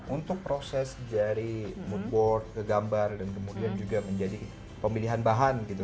untuk proses dari mood board ke gambar dan kemudian juga menjadi pemilihan bahan gitu